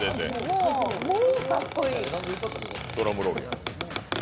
ドラムロールや。